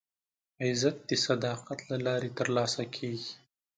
عزت د صداقت له لارې ترلاسه کېږي.